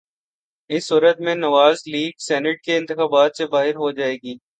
اس صورت میں Nawaz league senate کے انتخابات سے باہر ہو جائے گی۔